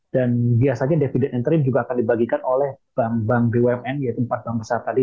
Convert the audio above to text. dan biasanya dividen interim juga akan dibagikan oleh bank bank bumn yaitu empat bank besar tadi